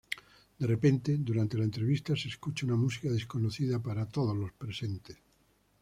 De repente, durante la entrevista, se escucha una música desconocida para todos los presentes.